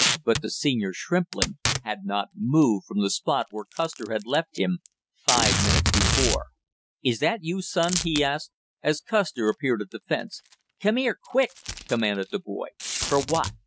But the senior Shrimplin had not moved from the spot where Custer had left him five minutes before. "Is that you, son?" he asked, as Custer appeared at the fence. "Come here, quick!" commanded the boy. "For what?"